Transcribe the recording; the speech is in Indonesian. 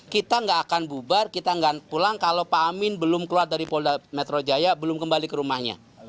kita nggak akan bubar kita nggak pulang kalau pak amin belum keluar dari polda metro jaya belum kembali ke rumahnya